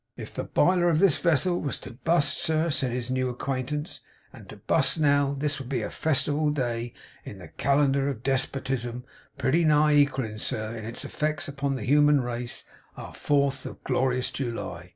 'If the biler of this vessel was Toe bust, sir,' said his new acquaintance, 'and Toe bust now, this would be a festival day in the calendar of despotism; pretty nigh equallin', sir, in its effects upon the human race, our Fourth of glorious July.